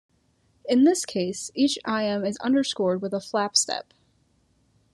In this case, each iamb is underscored with a flap step.